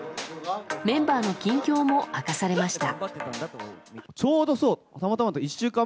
メンバーの近況も明かされました。